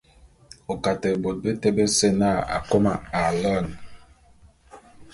O Kate bôt beté bese na Akôma aloene.